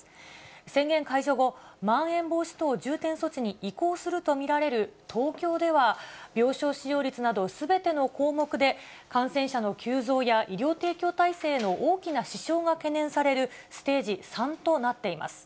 宣言解除後、まん延防止等重点措置に移行すると見られる東京では、病床使用率などすべての項目で、感染者の急増や医療提供体制への大きな支障が懸念されるステージ３となっています。